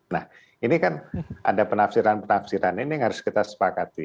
nah ini kan ada penafsiran penafsiran ini yang harus kita sepakati